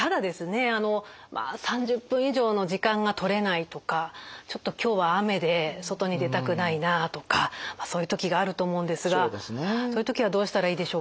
あのまあ３０分以上の時間が取れないとかちょっと今日は雨で外に出たくないなあとかそういう時があると思うんですがそういう時はどうしたらいいでしょうか？